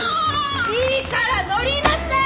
いいから乗りなさい！